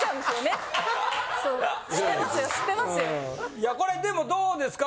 いやこれでもどうですか？